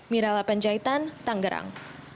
mirala penjaitan tanggerang